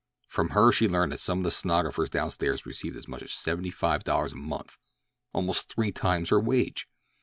From her she learned that some of the stenographers down stairs received as much as seventy five dollars a month—almost three times her wage!